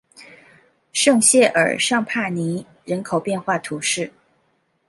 圣谢尔尚帕尼人口变化图示